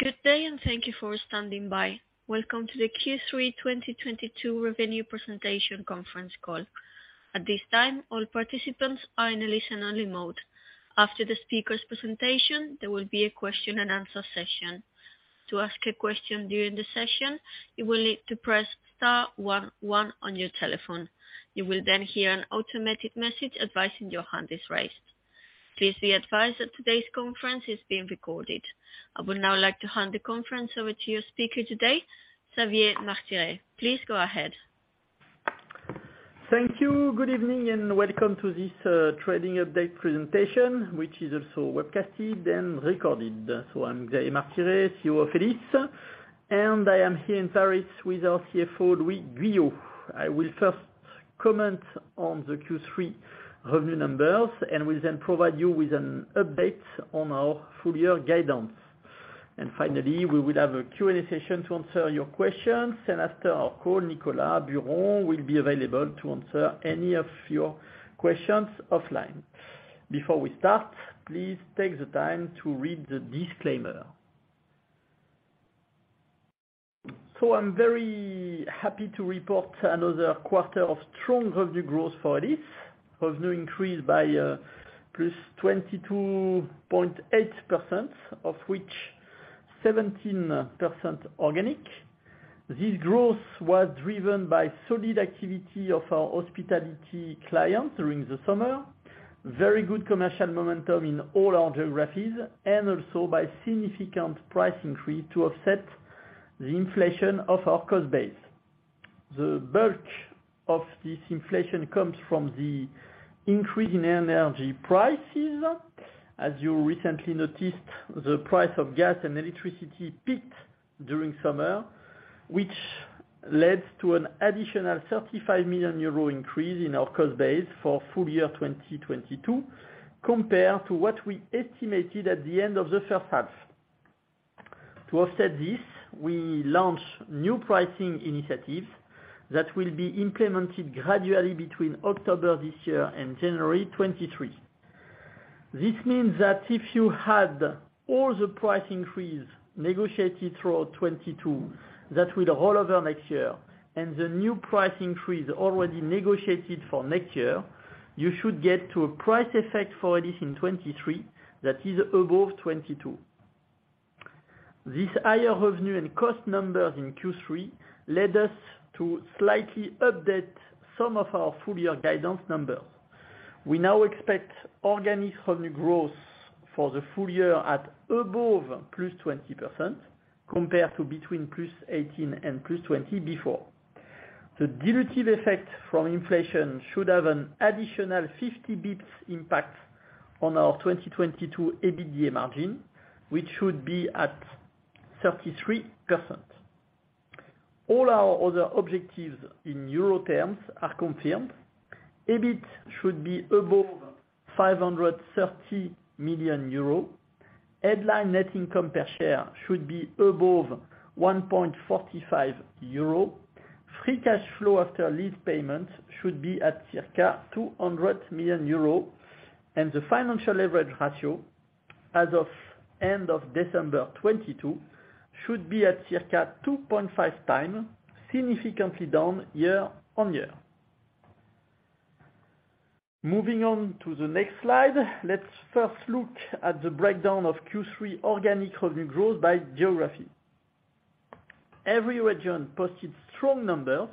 Good day, and thank you for standing by. Welcome to the Q3 2022 revenue presentation conference call. At this time, all participants are in a listen-only mode. After the speaker's presentation, there will be a question and answer session. To ask a question during the session, you will need to press star one one on your telephone. You will then hear an automated message advising your hand is raised. Please be advised that today's conference is being recorded. I would now like to hand the conference over to your speaker today, Xavier Martiré. Please go ahead. Thank you. Good evening, and welcome to this trading update presentation, which is also webcasted and recorded. I'm Xavier Martiré, CEO of Elis, and I am here in Paris with our CFO, Louis Guyot. I will first comment on the Q3 revenue numbers, and we'll then provide you with an update on our full-year guidance. Finally, we will have a Q&A session to answer your questions. After our call, Nicolas Buron will be available to answer any of your questions offline. Before we start, please take the time to read the disclaimer. I'm very happy to report another quarter of strong revenue growth for Elis. Revenue increased by +22.8%, of which 17% organic. This growth was driven by solid activity of our hospitality clients during the summer, very good commercial momentum in all our geographies, and also by significant price increase to offset the inflation of our cost base. The bulk of this inflation comes from the increase in energy prices. As you recently noticed, the price of gas and electricity peaked during summer, which led to an additional 35 million euro increase in our cost base for full year 2022, compared to what we estimated at the end of the first half. To offset this, we launched new pricing initiatives that will be implemented gradually between October this year and January 2023. This means that if you had all the price increase negotiated through 2022, that will roll over next year. The new price increase already negotiated for next year, you should get to a price effect for Elis in 2023 that is above 2022. These higher revenue and cost numbers in Q3 led us to slightly update some of our full-year guidance numbers. We now expect organic revenue growth for the full year at above +20%, compared to between +18% and +20% before. The dilutive effect from inflation should have an additional 50 bps impact on our 2022 EBITDA margin, which should be at 33%. All our other objectives in EUR terms are confirmed. EBIT should be above 530 million euro. Headline net income per share should be above 1.45 euro. Free cash flow after lease payments should be at circa 200 million euro. The financial leverage ratio, as of end of December 2022, should be at circa 2.5 times, significantly down year-over-year. Moving on to the next slide, let's first look at the breakdown of Q3 organic revenue growth by geography. Every region posted strong numbers,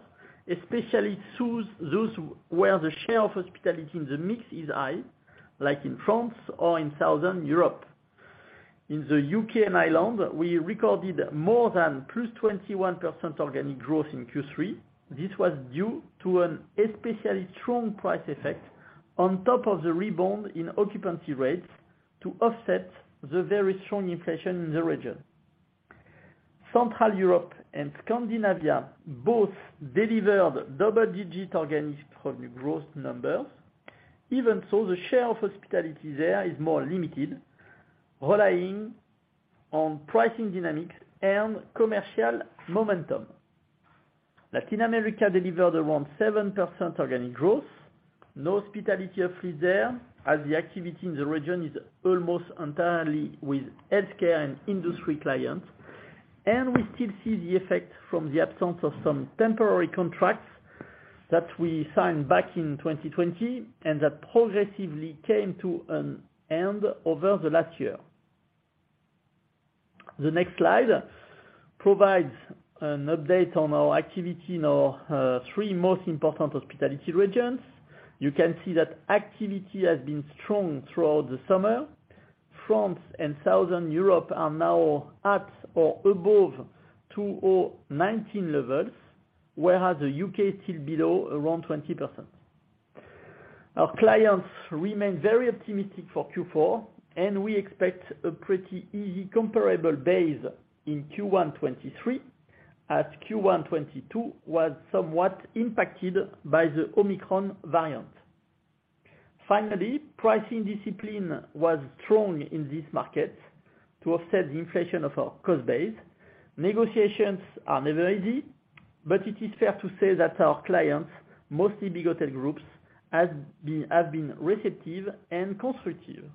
especially those where the share of hospitality in the mix is high, like in France or in Southern Europe. In the UK and Ireland, we recorded more than +21% organic growth in Q3. This was due to an especially strong price effect on top of the rebound in occupancy rates to offset the very strong inflation in the region. Central Europe and Scandinavia both delivered double-digit organic revenue growth numbers. Even so, the share of hospitality there is more limited, relying on pricing dynamics and commercial momentum. Latin America delivered around 7% organic growth. No hospitality upgrade there, as the activity in the region is almost entirely with healthcare and industry clients. We still see the effect from the absence of some temporary contracts that we signed back in 2020 and that progressively came to an end over the last year. The next slide provides an update on our activity in our three most important hospitality regions. You can see that activity has been strong throughout the summer. France and Southern Europe are now at or above 2019 levels, whereas the UK is still below, around 20%. Our clients remain very optimistic for Q4, and we expect a pretty easy comparable base in Q1 2023, as Q1 2022 was somewhat impacted by the Omicron variant. Finally, pricing discipline was strong in this market to offset the inflation of our cost base. Negotiations are never easy. It is fair to say that our clients, mostly big hotel groups, have been receptive and constructive.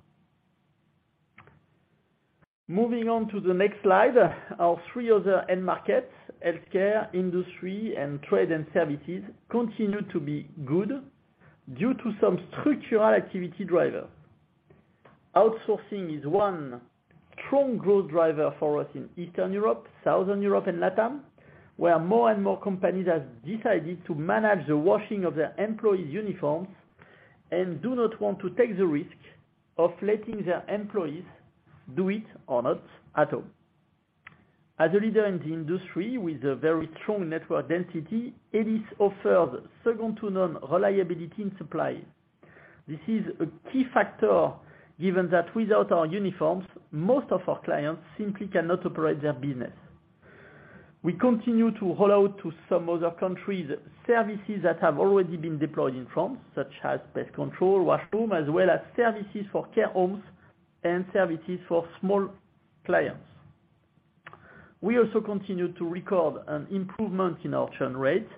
Moving on to the next slide, our three other end markets, healthcare, industry, and trade and services, continue to be good due to some structural activity driver. Outsourcing is one strong growth driver for us in Eastern Europe, Southern Europe, and Latam, where more and more companies have decided to manage the washing of their employees' uniforms and do not want to take the risk of letting their employees do it or not at all. As a leader in the industry with a very strong network density, Elis offers second to none reliability in supply. This is a key factor given that without our uniforms, most of our clients simply cannot operate their business. We continue to roll out to some other countries services that have already been deployed in France, such as Pest Control, Washroom, as well as services for care homes and services for small clients. We also continue to record an improvement in our churn rates,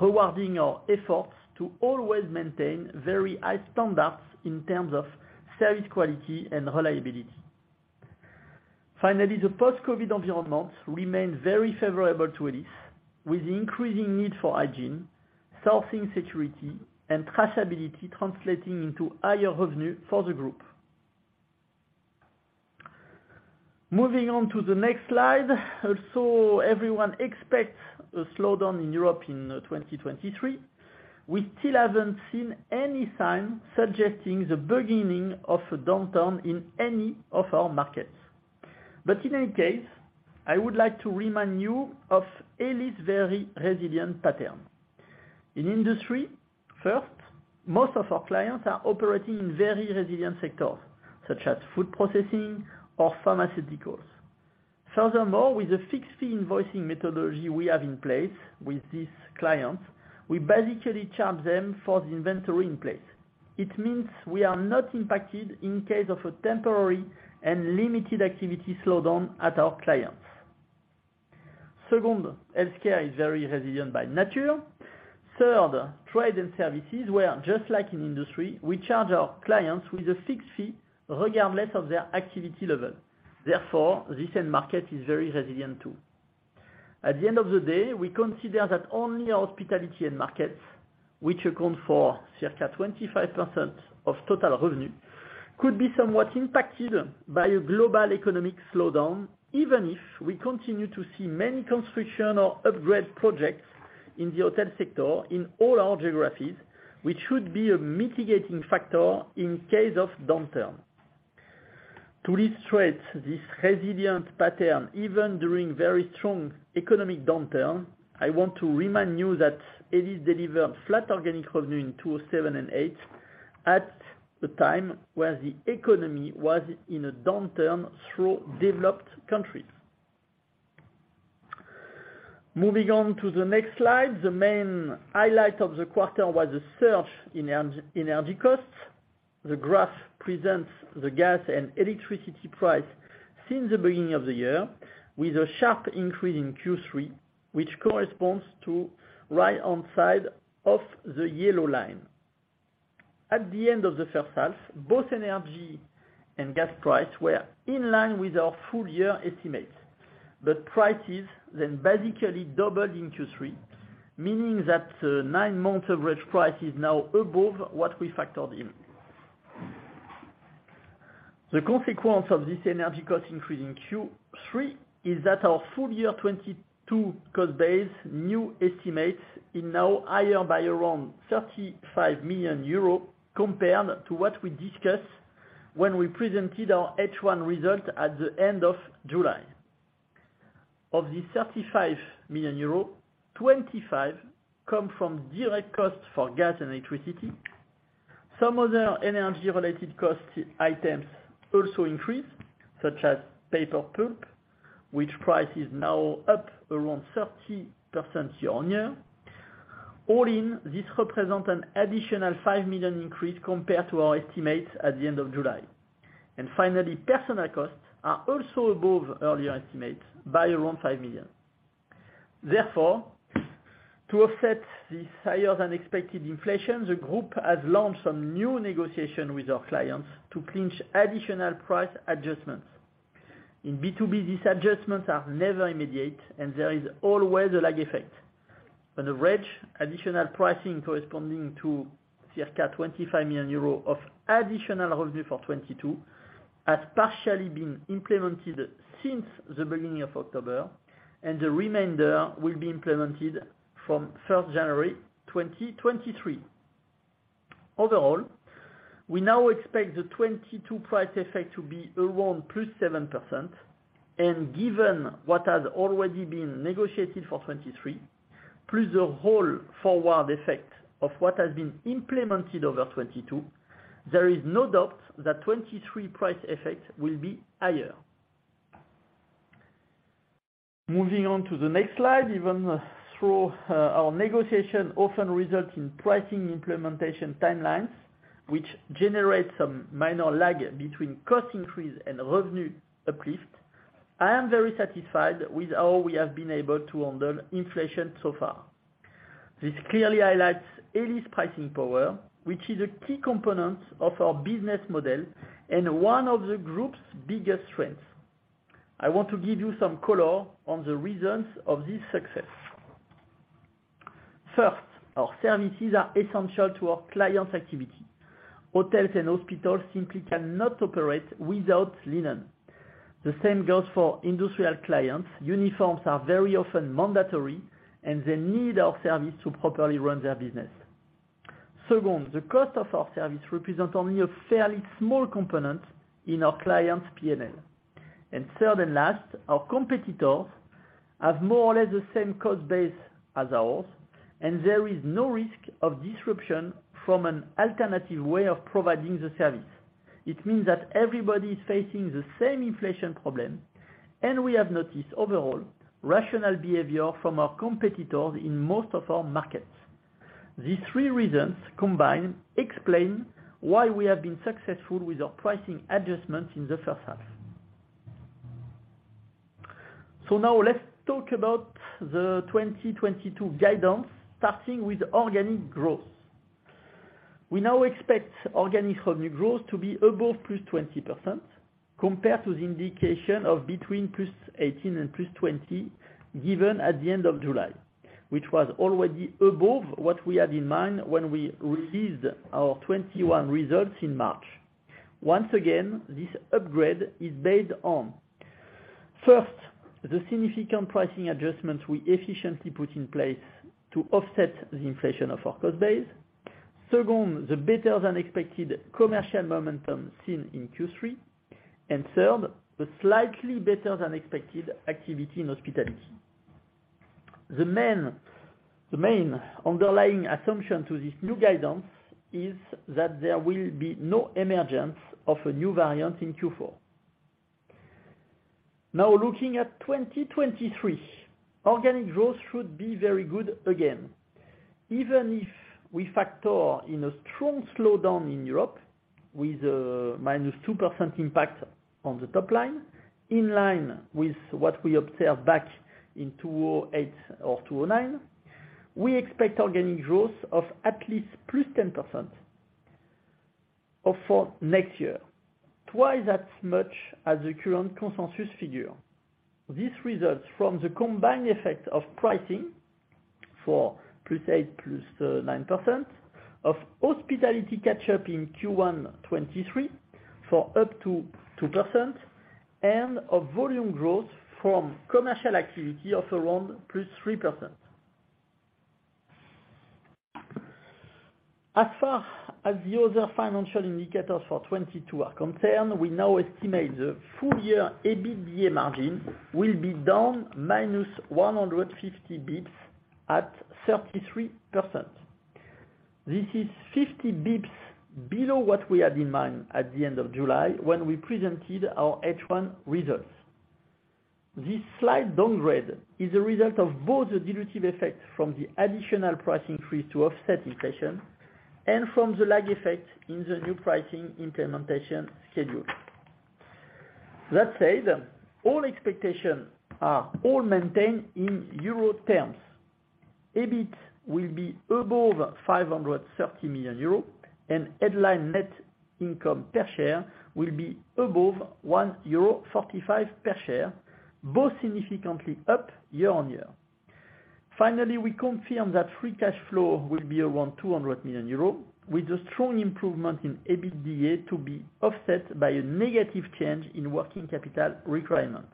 rewarding our efforts to always maintain very high standards in terms of service quality and reliability. Finally, the post-COVID environment remains very favorable to Elis, with increasing need for hygiene, sourcing security, and traceability translating into higher revenue for the group. Moving on to the next slide. Also, everyone expects a slowdown in Europe in 2023. We still haven't seen any sign suggesting the beginning of a downturn in any of our markets. In any case, I would like to remind you of Elis' very resilient pattern. In industry, first, most of our clients are operating in very resilient sectors, such as food processing or pharmaceuticals. Furthermore, with the fixed fee invoicing methodology we have in place with these clients, we basically charge them for the inventory in place. It means we are not impacted in case of a temporary and limited activity slowdown at our clients. Second, healthcare is very resilient by nature. Third, trade and services, where, just like in industry, we charge our clients with a fixed fee regardless of their activity level. Therefore, this end market is very resilient, too. At the end of the day, we consider that only our hospitality end markets, which account for circa 25% of total revenue, could be somewhat impacted by a global economic slowdown, even if we continue to see many construction or upgrade projects in the hotel sector in all our geographies, which should be a mitigating factor in case of downturn. To illustrate this resilient pattern, even during very strong economic downturn, I want to remind you that Elis delivered flat organic revenue in 2007 and 2008 at the time where the economy was in a downturn throughout developed countries. Moving on to the next slide. The main highlight of the quarter was a surge in energy costs. The graph presents the gas and electricity price since the beginning of the year, with a sharp increase in Q3, which corresponds to right-hand side of the yellow line. At the end of the first half, both energy and gas price were in line with our full year estimates. Prices then basically doubled in Q3, meaning that, nine-month average price is now above what we factored in. The consequence of this energy cost increase in Q3 is that our full year 2022 cost base new estimates is now higher by around 35 million euros compared to what we discussed when we presented our H1 result at the end of July. Of this 35 million euro, 25 come from direct costs for gas and electricity. Some other energy-related cost items also increased, such as paper pulp, which price is now up around 30% year-on-year. All in, this represent an additional 5 million increase compared to our estimates at the end of July. Finally, personnel costs are also above earlier estimates by around 5 million. Therefore, to offset this higher than expected inflation, the group has launched some new negotiations with our clients to clinch additional price adjustments. In B2B, these adjustments are never immediate, and there is always a lag effect. On average, additional pricing corresponding to circa 25 million euros of additional revenue for 2022 has partially been implemented since the beginning of October, and the remainder will be implemented from 1 January 2023. Overall, we now expect the 2022 price effect to be around +7%, and given what has already been negotiated for 2023, plus the whole forward effect of what has been implemented over 2022, there is no doubt that 2023 price effect will be higher. Moving on to the next slide. Even though our negotiations often result in pricing implementation timelines which generate some minor lag between cost increase and revenue uplift. I am very satisfied with how we have been able to handle inflation so far. This clearly highlights Elis' pricing power, which is a key component of our business model and one of the group's biggest strengths. I want to give you some color on the reasons of this success. First, our services are essential to our clients' activity. Hotels and hospitals simply cannot operate without linen. The same goes for industrial clients. Uniforms are very often mandatory, and they need our service to properly run their business. Second, the cost of our service represents only a fairly small component in our client's P&L. Third and last, our competitors have more or less the same cost base as ours, and there is no risk of disruption from an alternative way of providing the service. It means that everybody is facing the same inflation problem, and we have noticed overall rational behavior from our competitors in most of our markets. These three reasons combined explain why we have been successful with our pricing adjustments in the first half. Now let's talk about the 2022 guidance, starting with organic growth. We now expect organic revenue growth to be above +20% compared to the indication of between +18% and +20% given at the end of July, which was already above what we had in mind when we released our 2021 results in March. Once again, this upgrade is based on, first, the significant pricing adjustments we efficiently put in place to offset the inflation of our cost base. Second, the better-than-expected commercial momentum seen in Q3. And third, the slightly better than expected activity in hospitality. The main underlying assumption to this new guidance is that there will be no emergence of a new variant in Q4. Now looking at 2023, organic growth should be very good again. Even if we factor in a strong slowdown in Europe with a -2% impact on the top line, in line with what we observed back in 2008 or 2009, we expect organic growth of at least +10% or for next year, twice as much as the current consensus figure. This results from the combined effect of pricing for +8, +9%, of hospitality catch up in Q1 2023 for up to 2%, and of volume growth from commercial activity of around +3%. As far as the other financial indicators for 2022 are concerned, we now estimate the full year EBITDA margin will be down -150 basis points at 33%. This is 50 basis points below what we had in mind at the end of July when we presented our H1 results. This slight downgrade is a result of both the dilutive effect from the additional price increase to offset inflation and from the lag effect in the new pricing implementation schedule. Let's say that all expectations are all maintained in Euro terms. EBIT will be above 530 million euros and headline net income per share will be above 1.45 euro per share, both significantly up year-on-year. Finally, we confirm that free cash flow will be around 200 million euros, with a strong improvement in EBITDA to be offset by a negative change in working capital requirement.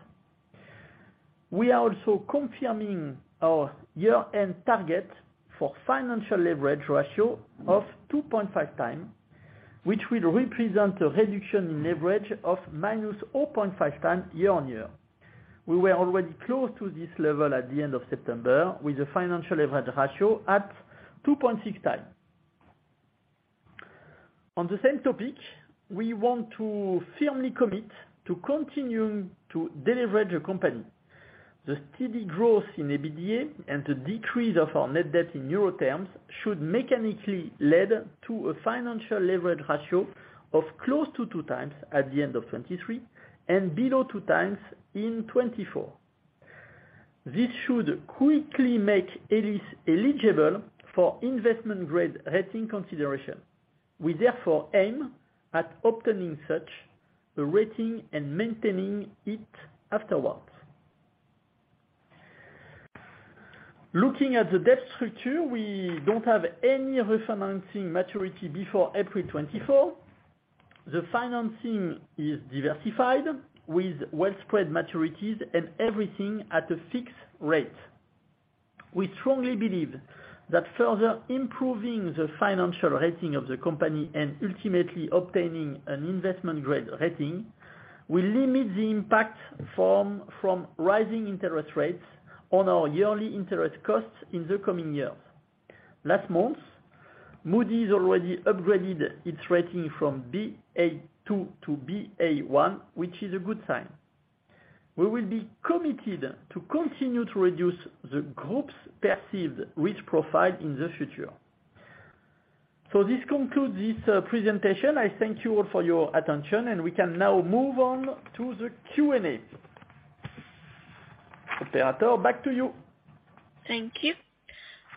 We are also confirming our year-end target for financial leverage ratio of 2.5 times, which will represent a reduction in leverage of -0.5 times year on year. We were already close to this level at the end of September, with a financial leverage ratio at 2.6 times. On the same topic, we want to firmly commit to continuing to deleverage the company. The steady growth in EBITDA and the decrease of our net debt in EUR terms should mechanically lead to a financial leverage ratio of close to 2 times at the end of 2023 and below 2 times in 2024. This should quickly make Elis eligible for investment grade rating consideration. We therefore aim at obtaining such a rating and maintaining it afterwards. Looking at the debt structure, we don't have any refinancing maturity before April 2024. The financing is diversified with well spread maturities and everything at a fixed rate. We strongly believe that further improving the financial rating of the company and ultimately obtaining an investment grade rating will limit the impact from rising interest rates on our yearly interest costs in the coming years. Last month, Moody's already upgraded its rating from Ba2 to Ba1, which is a good sign. We will be committed to continue to reduce the group's perceived risk profile in the future. This concludes this presentation. I thank you all for your attention, and we can now move on to the Q&A. Operator, back to you. Thank you.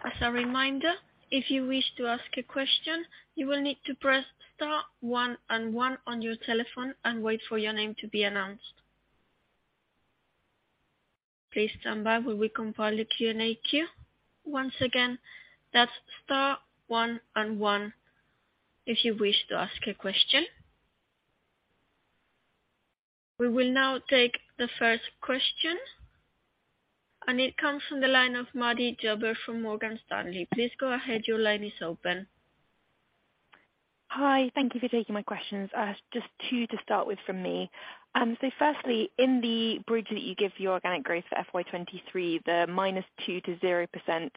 As a reminder, if you wish to ask a question, you will need to press star one and one on your telephone and wait for your name to be announced. Please stand by while we compile the Q&A queue. Once again, that's star one and one if you wish to ask a question. We will now take the first question, and it comes from the line of Maddie Jobert from Morgan Stanley. Please go ahead. Your line is open. Hi. Thank you for taking my questions. Just two to start with from me. So firstly, in the bridge that you give your organic growth for FY 2023, the -2%-0%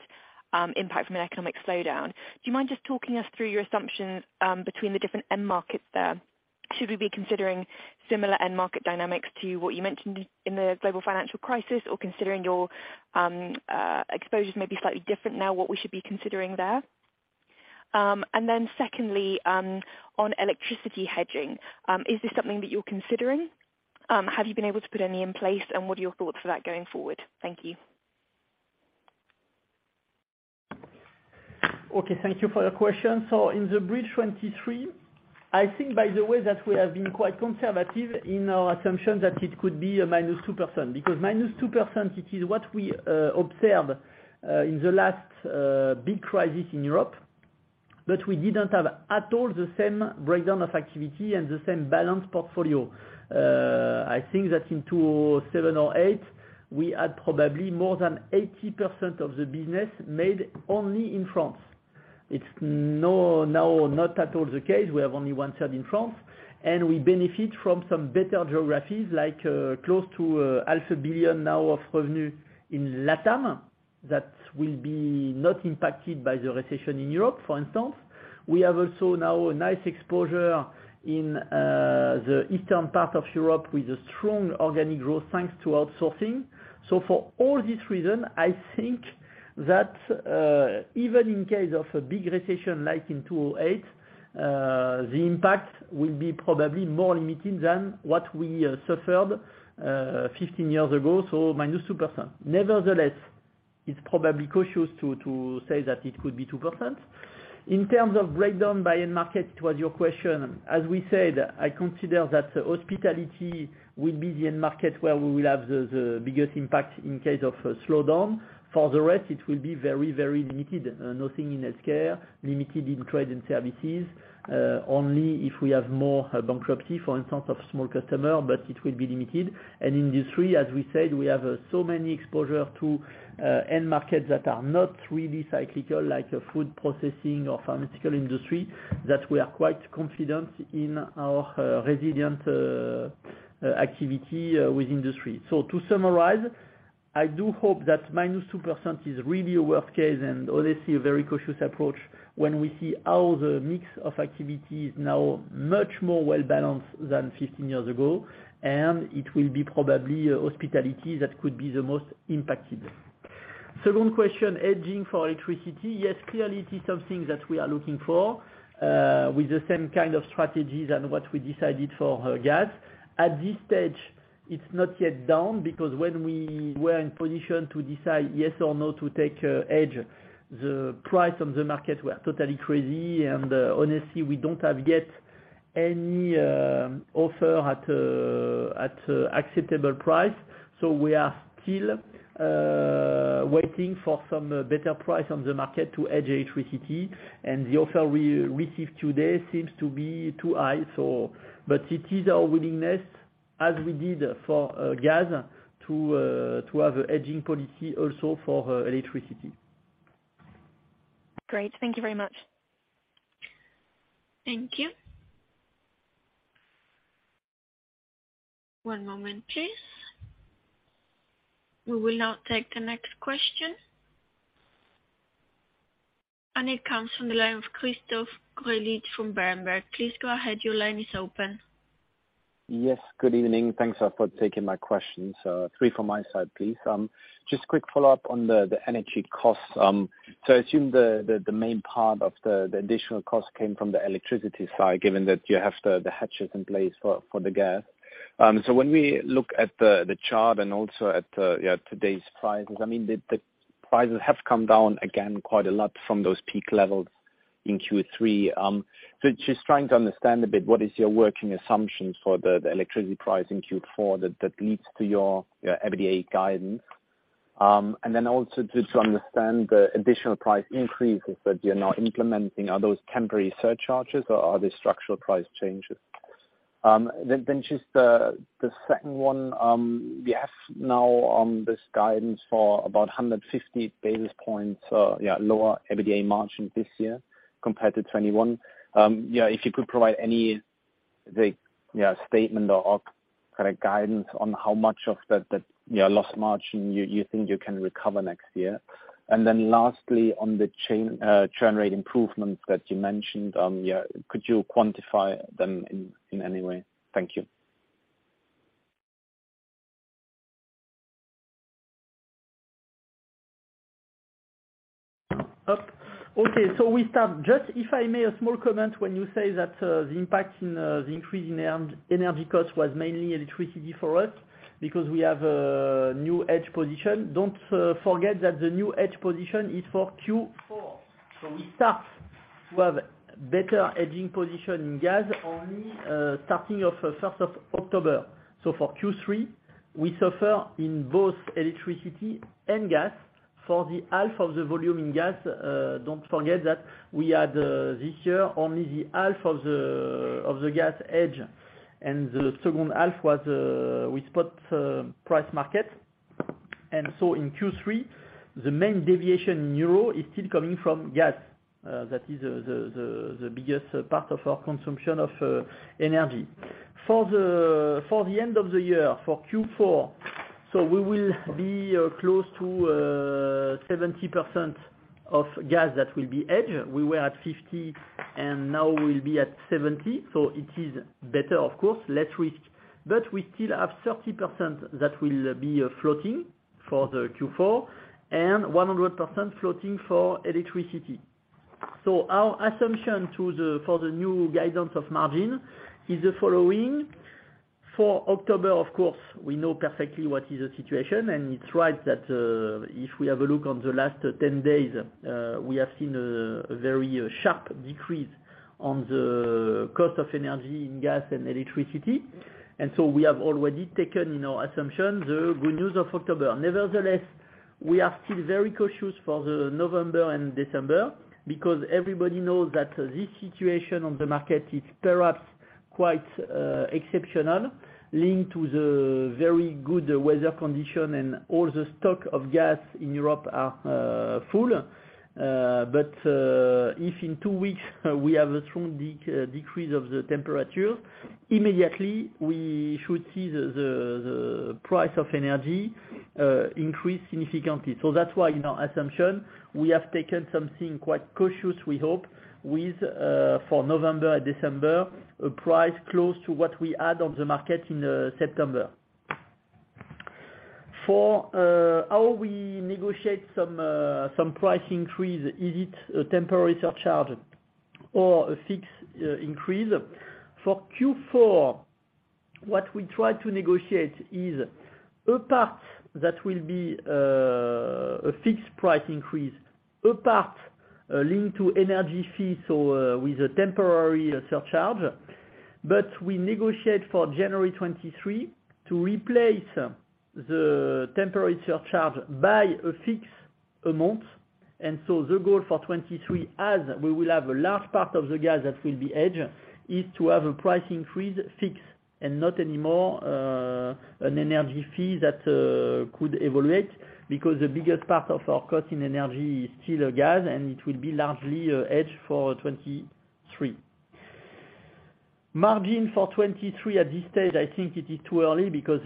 impact from an economic slowdown, do you mind just talking us through your assumptions between the different end markets there? Should we be considering similar end market dynamics to what you mentioned in the global financial crisis? Or considering your exposures may be slightly different now, what we should be considering there? And then secondly, on electricity hedging, is this something that you're considering? Have you been able to put any in place, and what are your thoughts for that going forward? Thank you. Okay. Thank you for the question. In the bridge 2023, I think, by the way, that we have been quite conservative in our assumption that it could be a -2%, because -2%, it is what we observed in the last big crisis in Europe, but we didn't have at all the same breakdown of activity and the same balanced portfolio. I think that in 2007 or 2008, we had probably more than 80% of the business made only in France. It's now not at all the case. We have only 1/3 in France, and we benefit from some better geographies, like close to half a billion EUR of revenue in LATAM that will be not impacted by the recession in Europe, for instance. We have also now a nice exposure in the eastern part of Europe with a strong organic growth thanks to outsourcing. For all these reason, I think that even in case of a big recession like in 2008, the impact will be probably more limiting than what we suffered 15 years ago, so -2%. Nevertheless, it's probably cautious to say that it could be 2%. In terms of breakdown by end market, it was your question. As we said, I consider that hospitality will be the end market where we will have the biggest impact in case of a slowdown. For the rest, it will be very, very limited. Nothing in healthcare, limited in trade and services, only if we have more bankruptcy, for instance, of small customer, but it will be limited. Industry, as we said, we have so many exposure to end markets that are not really cyclical, like food processing or pharmaceutical industry, that we are quite confident in our resilient activity with industry. To summarize, I do hope that minus 2% is really a worst case, and honestly a very cautious approach when we see how the mix of activity is now much more well-balanced than 15 years ago, and it will be probably hospitality that could be the most impacted. Second question, hedging for electricity. Yes, clearly it is something that we are looking for with the same kind of strategies and what we decided for gas. At this stage, it's not yet done because when we were in position to decide yes or no to take a hedge, the price on the market were totally crazy. Honestly, we don't have yet any offer at acceptable price. We are still waiting for some better price on the market to hedge electricity. The offer we received today seems to be too high. But it is our willingness, as we did for gas, to have a hedging policy also for electricity. Great. Thank you very much. Thank you. One moment, please. We will now take the next question. It comes from the line of Christoph Greulich from Berenberg. Please go ahead. Your line is open. Yes. Good evening. Thanks for taking my questions. Three from my side, please. Just quick follow-up on the energy costs. I assume the main part of the additional cost came from the electricity side, given that you have the hedges in place for the gas. When we look at the chart and also at today's prices, I mean, the prices have come down again quite a lot from those peak levels in Q3. Just trying to understand a bit, what is your working assumptions for the electricity price in Q4 that leads to your EBITDA guidance? Then also just to understand the additional price increases that you're now implementing, are those temporary surcharges, or are they structural price changes? Just the second one, we have now this guidance for about 150 basis points lower EBITDA margin this year compared to 2021. If you could provide any statement or kind of guidance on how much of that lost margin you think you can recover next year. Lastly, on the churn rate improvements that you mentioned, could you quantify them in any way? Thank you. Okay. We start. Just if I may, a small comment when you say that, the impact of the increase in energy cost was mainly electricity for us because we have a new hedge position. Don't forget that the new hedge position is for Q4. We start to have better hedging position in gas only starting from the first of October. For Q3, we suffer in both electricity and gas. For half of the volume in gas, don't forget that we had this year only half of the gas hedge, and the second half was with spot market price. In Q3, the main deviation in euros is still coming from gas. That is the biggest part of our consumption of energy. For the end of the year, for Q4, we will be close to 70% of gas that will be hedged. We were at 50, and now we'll be at 70. It is better of course, less risk, but we still have 30% that will be floating for the Q4 and 100% floating for electricity. Our assumption for the new guidance of margin is the following. For October, of course, we know perfectly what is the situation, and it's right that if we have a look at the last 10 days, we have seen a very sharp decrease in the cost of energy in gas and electricity. We have already taken in our assumption the good news of October. Nevertheless, we are still very cautious for November and December because everybody knows that this situation on the market is perhaps quite exceptional, linked to the very good weather condition and all the stock of gas in Europe are full. If in two weeks we have a strong decrease of the temperature, immediately we should see the price of energy increase significantly. That's why in our assumption, we have taken something quite cautious, we hope, with for November and December, a price close to what we had on the market in September. For how we negotiate some price increase, is it a temporary surcharge or a fixed increase? For Q4, what we try to negotiate is a part that will be a fixed price increase, a part linked to energy fees or with a temporary surcharge. We negotiate for January 2023 to replace the temporary surcharge by a fixed amount. The goal for 2023, as we will have a large part of the gas that will be hedged, is to have a price increase fixed and not anymore an energy fee that could fluctuate because the biggest part of our cost in energy is still gas, and it will be largely hedged for 2023. margin for 2023 at this stage, I think it is too early because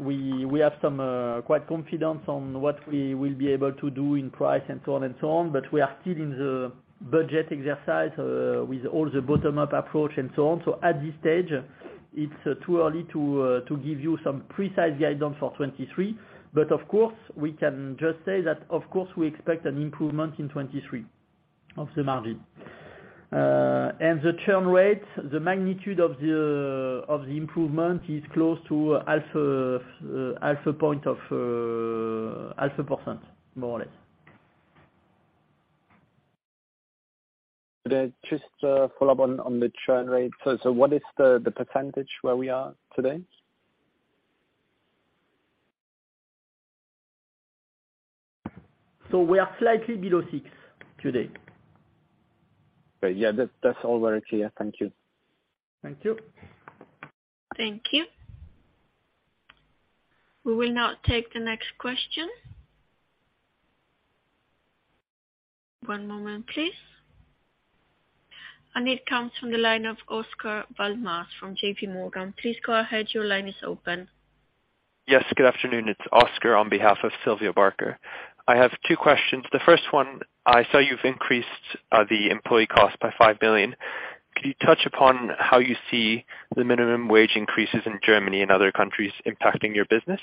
we have quite some confidence on what we will be able to do in price and so on and so on, but we are still in the budget exercise with all the bottom-up approach and so on. At this stage, it's too early to give you some precise guidance for 2023. Of course, we can just say that of course we expect an improvement in 2023 of the margin. The churn rate, the magnitude of the improvement is close to half a point or half a percent more or less. Just follow up on the churn rate. What is the percentage where we are today? We are slightly below six today. Yeah. That, that's all very clear. Thank you. Thank you. Thank you. We will now take the next question. One moment, please. It comes from the line of Oscar Val-Mas from JPMorgan. Please go ahead. Your line is open. Yes, good afternoon. It's Oscar on behalf of Sylvia Barker. I have two questions. The first one, I saw you've increased the employee cost by 5 billion. Could you touch upon how you see the minimum wage increases in Germany and other countries impacting your business?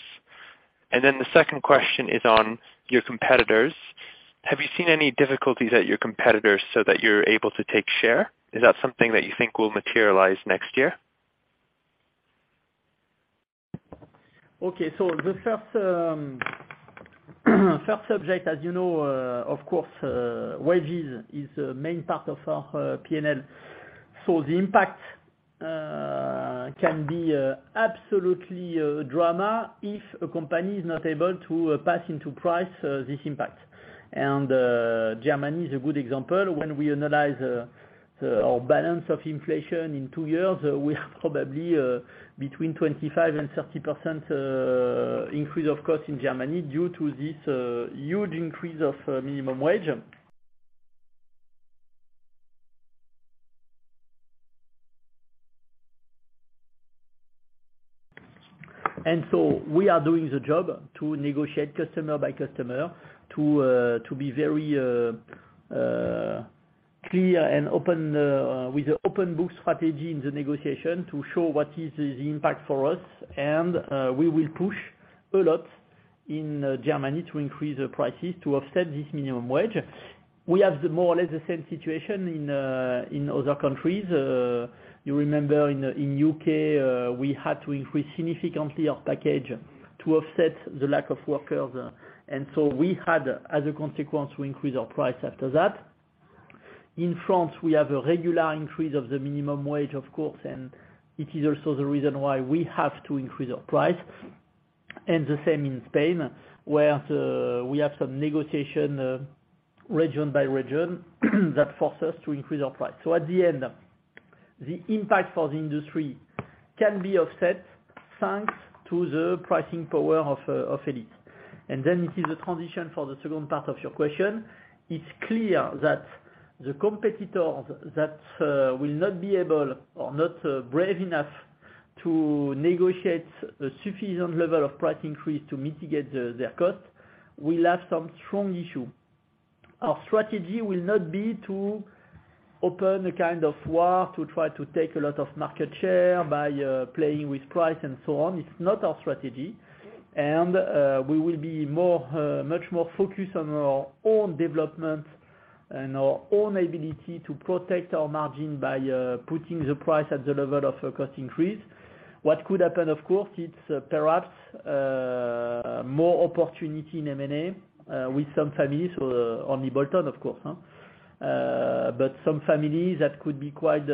The second question is on your competitors. Have you seen any difficulties at your competitors so that you're able to take share? Is that something that you think will materialize next year? Okay. The first subject, as you know, of course, wages is a main part of our P&L. The impact can be absolutely a drama if a company is not able to pass on to price this impact. Germany is a good example. When we analyze the overall inflation in two years, we are probably between 25% and 30% increase of cost in Germany due to this huge increase of minimum wage. We are doing the job to negotiate customer by customer to be very clear and open with the open book strategy in the negotiation to show what is the impact for us. We will push a lot in Germany to increase the prices to offset this minimum wage. We have more or less the same situation in other countries. You remember in UK we had to increase significantly our package to offset the lack of workers. We had, as a consequence, to increase our price after that. In France, we have a regular increase of the minimum wage, of course, and it is also the reason why we have to increase our price. The same in Spain, where we have some negotiation region by region that force us to increase our price. At the end, the impact for the industry can be offset thanks to the pricing power of Elis. It is a transition for the second part of your question. It's clear that the competitor that will not be able or not brave enough to negotiate the sufficient level of price increase to mitigate their cost will have some strong issue. Our strategy will not be to open a kind of war to try to take a lot of market share by playing with price and so on. It's not our strategy. We will be much more focused on our own development and our own ability to protect our margin by putting the price at the level of a cost increase. What could happen, of course, it's perhaps more opportunity in M&A with some families or only bolt-on, of course. Some families that could be quite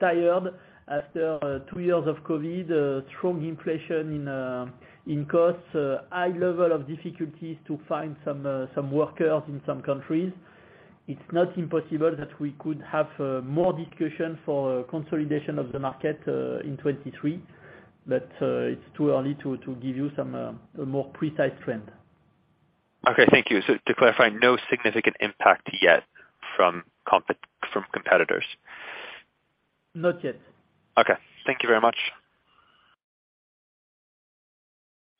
tired after two years of COVID, strong inflation in costs, high level of difficulties to find some workers in some countries. It's not impossible that we could have more discussion for consolidation of the market in 2023. It's too early to give you a more precise trend. Okay, thank you. To clarify, no significant impact yet from competitors? Not yet. Okay. Thank you very much.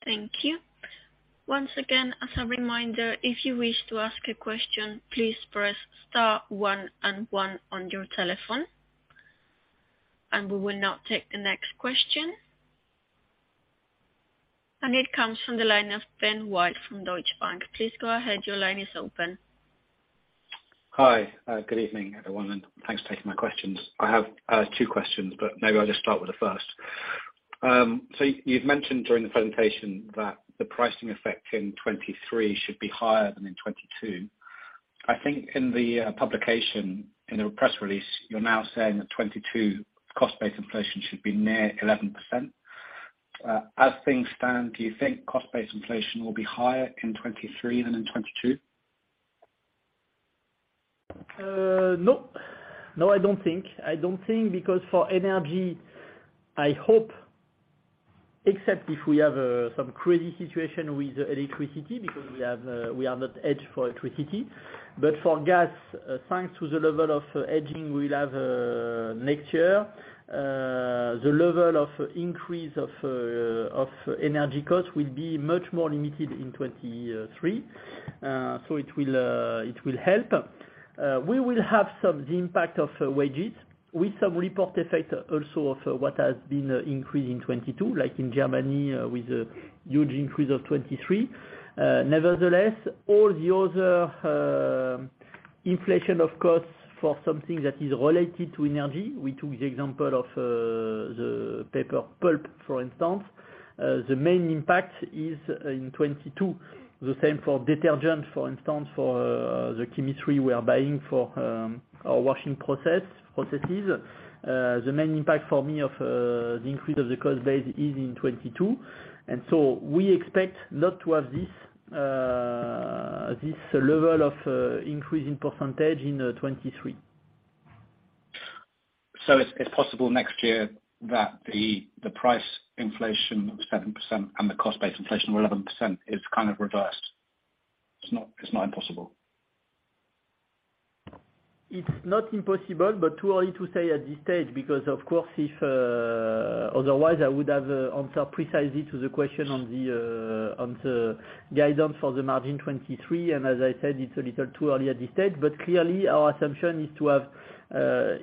Thank you. Once again, as a reminder, if you wish to ask a question, please press star one and one on your telephone. We will now take the next question. It comes from the line of Ben White from Deutsche Bank. Please go ahead. Your line is open. Hi, good evening, everyone, and thanks for taking my questions. I have two questions, but maybe I'll just start with the first. You've mentioned during the presentation that the pricing effect in 2023 should be higher than in 2022. I think in the publication, in the press release, you're now saying that 2022 cost base inflation should be near 11%. As things stand, do you think cost base inflation will be higher in 2023 than in 2022? No, I don't think because for energy, I hope, except if we have some crazy situation with electricity because we are not hedged for electricity. For gas, thanks to the level of hedging we'll have next year, the level of increase of energy costs will be much more limited in 2023. It will help. We will have some impact of wages with some carryover effect also of what has been increased in 2022, like in Germany with a huge increase of 23%. Nevertheless, all the other inflation of costs for something that is related to energy, we took the example of the paper pulp, for instance. The main impact is in 2022. The same for detergent, for instance, for the chemistry we are buying for our washing processes. The main impact for me of the increase of the cost base is in 2022. We expect not to have this level of increase in percentage in 2023. It's possible next year that the price inflation of 7% and the cost base inflation of 11% is kind of reversed? It's not impossible. It's not impossible, but too early to say at this stage because, of course, if otherwise I would have answered precisely to the question on the guidance for the margin 2023. As I said, it's a little too early at this stage. Clearly, our assumption is to have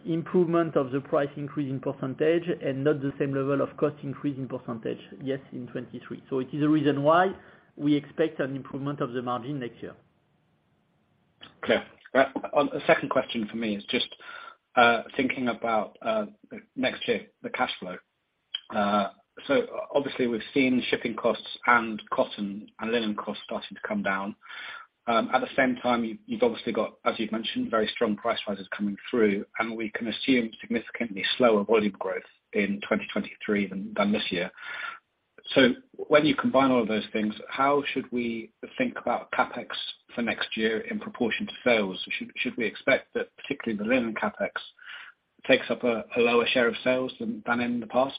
improvement of the price increase in percentage and not the same level of cost increase in percentage, yes, in 2023. It is a reason why we expect an improvement of the margin next year. Clear. On the second question for me is just thinking about next year, the cash flow. Obviously we've seen shipping costs and cotton and linen costs starting to come down. At the same time, you've obviously got, as you've mentioned, very strong price rises coming through, and we can assume significantly slower volume growth in 2023 than this year. When you combine all of those things, how should we think about CapEx for next year in proportion to sales? Should we expect that particularly the linen CapEx takes up a lower share of sales than in the past?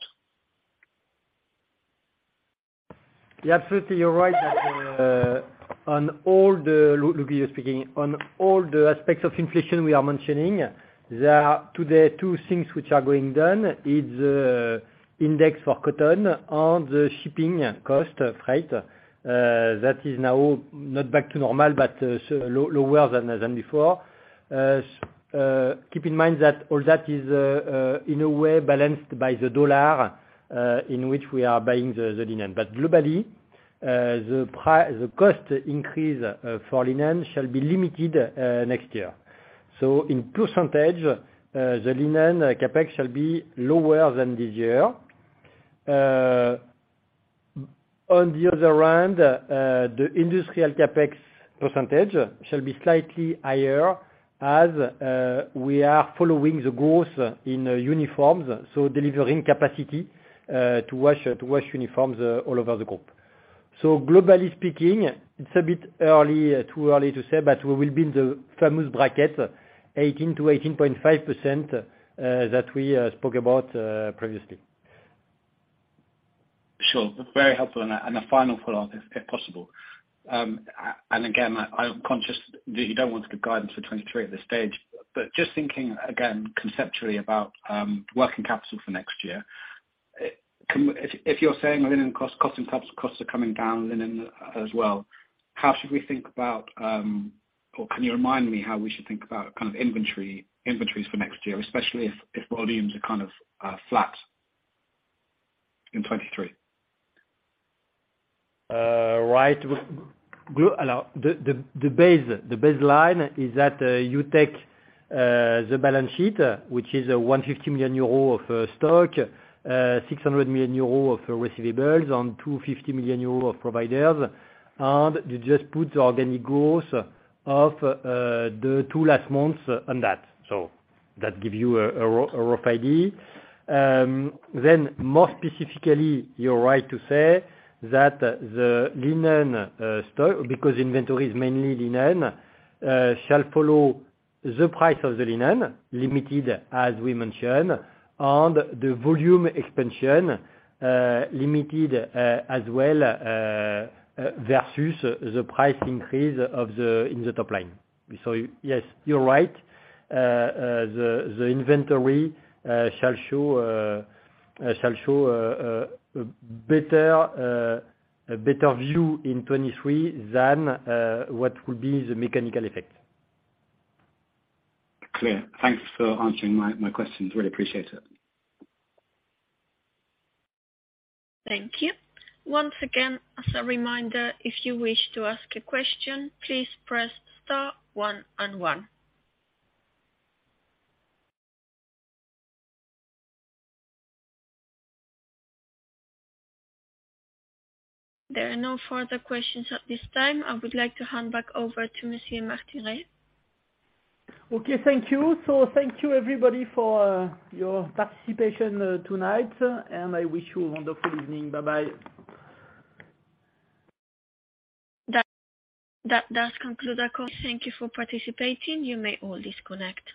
Yeah, absolutely. You're right that, Louis Guyot, here speaking. On all the aspects of inflation we are mentioning, there are today two things which are going down. It's index for cotton and the shipping cost, freight, that is now not back to normal but lower than before. Keep in mind that all that is in a way balanced by the dollar. In which we are buying the linen. Globally, the cost increase for linen shall be limited next year. In percentage, the linen CapEx shall be lower than this year. On the other hand, the industrial CapEx percentage shall be slightly higher as we are following the growth in uniforms, so delivering capacity to wash uniforms all over the group. Globally speaking, it's a bit early, too early to say, but we will be in the famous bracket 18%-18.5% that we spoke about previously. Sure. That's very helpful. A final follow-up, if possible. Again, I'm conscious that you don't want to give guidance for 2023 at this stage, but just thinking again conceptually about working capital for next year. If you're saying linen costs, costing tops costs are coming down, linen as well, how should we think about, or can you remind me how we should think about kind of inventory, inventories for next year, especially if volumes are kind of flat in 2023? Right. The baseline is that you take the balance sheet, which is 150 million euro of stock, 600 million euro of receivables and 250 million euro of payables, and you just put organic growth of the two last months on that. That give you a rough idea. Then more specifically, you're right to say that the linen stock, because inventory is mainly linen, shall follow the price of the linen limited, as we mentioned, and the volume expansion limited, as well, versus the price increase in the top line. Yes, you're right. The inventory shall show a better view in 2023 than what will be the mechanical effect. Clear. Thanks for answering my questions. Really appreciate it. Thank you. Once again, as a reminder, if you wish to ask a question, please press star one and one. There are no further questions at this time. I would like to hand back over to Monsieur Martiré. Okay, thank you. Thank you everybody for your participation tonight, and I wish you a wonderful evening. Bye-bye. That does conclude our call. Thank you for participating. You may all disconnect.